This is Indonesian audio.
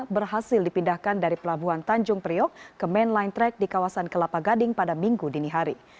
berhasil dipindahkan dari pelabuhan tanjung priok ke main line track di kawasan kelapa gading pada minggu dini hari